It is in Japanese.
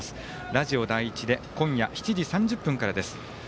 ラジオ第１で今夜７時３０分からです。